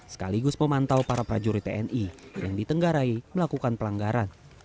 sekaligus memantau para prajurit tni yang ditenggarai melakukan pelanggaran